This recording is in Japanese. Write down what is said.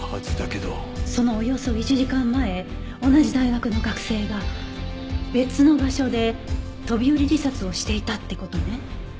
そのおよそ１時間前同じ大学の学生が別の場所で飛び降り自殺をしていたって事ね。